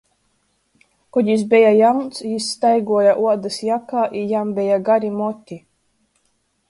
Kod jis beja jauns, jis staiguoja uodys jakā i jam beja gari moti.